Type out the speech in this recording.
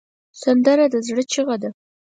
سندره د زړه چیغه ده